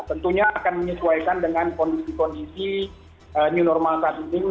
tentunya akan menyesuaikan dengan kondisi kondisi new normal saat ini